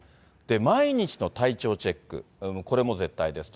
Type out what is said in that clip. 毎日の体調チェック、これも絶対ですと。